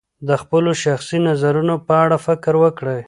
د خپلو شخصي نظرونو په اړه فکر وکړئ.